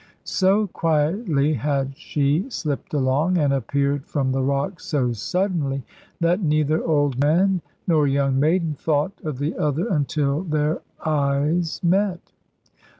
So quietly had she slipped along, and appeared from the rocks so suddenly, that neither old man nor young maiden thought of the other until their eyes met.